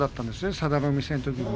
佐田の海戦のとき。